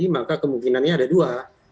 maka kemungkinannya ada dua